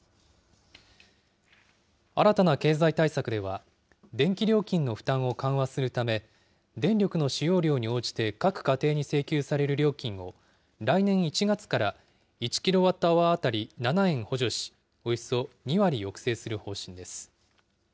新たな経済対策では、電気料金の負担を緩和するため、電力の使用量に応じて各家庭に請求される料金を、来年１月から１キロワットアワー当たり７円補助し、およそ２割抑制する方針です。